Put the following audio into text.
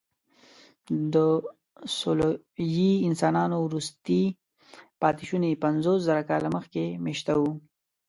د سولويي انسانانو وروستي پاتېشوني پنځوسزره کاله مخکې مېشته وو.